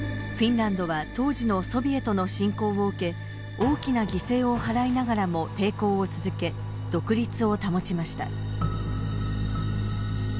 フィンランドは当時のソビエトの侵攻を受け大きな犠牲を払いながらも抵抗を続け、独立を保ちました。